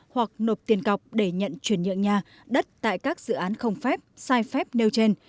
hoặc nộp tiền cọc để nhận chuyển nhượng nhà đất tại các dự án không phép sai phép nêu trên